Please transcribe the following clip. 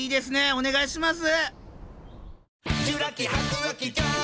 お願いします。